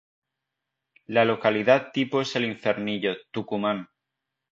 La localidad tipo es el Infiernillo, Tucumán.